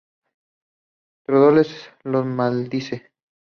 Theodore los maldice.